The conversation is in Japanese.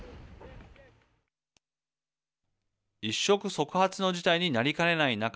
一触即発の事態になりかねない中